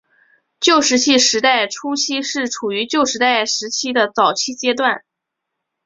旧石器时代初期是处于旧石器时代的早期阶段。